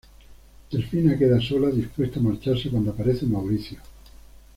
Delfina queda sola, dispuesta a marcharse, cuando aparece Mauricio.